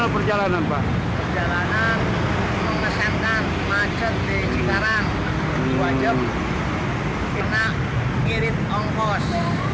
perjalanan mengesankan macet dari cikarang dua jam kena ngirit ongkos